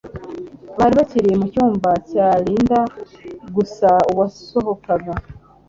bari bakiri mu cyumba cya Linda gusa uwasohokaga